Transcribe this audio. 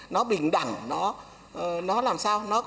nó bình đẳng nó làm sao